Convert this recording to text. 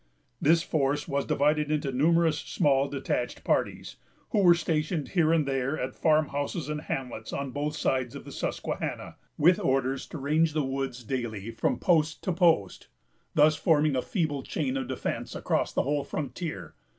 This force was divided into numerous small detached parties, who were stationed here and there at farm houses and hamlets on both sides of the Susquehanna, with orders to range the woods daily from post to post, thus forming a feeble chain of defence across the whole frontier.